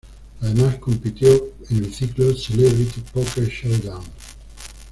Además, compitió en el ciclo "Celebrity Poker Showdown".